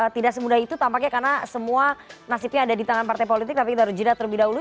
tidak semudah itu tampaknya karena semua nasibnya ada di tangan partai politik tapi kita harus jeda terlebih dahulu